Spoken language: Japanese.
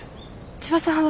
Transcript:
千葉さんは？